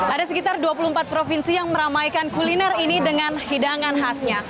ada sekitar dua puluh empat provinsi yang meramaikan kuliner ini dengan hidangan khasnya